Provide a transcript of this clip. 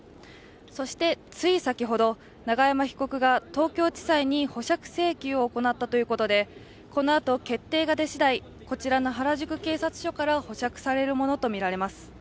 そして、つい先ほど、永山被告が東京地裁に保釈請求を行ったということで、このあと、決定が出しだい、こちらの原宿警察署から保釈されるものとみられます。